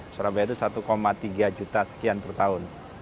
surabaya itu satu tiga juta sekian per tahun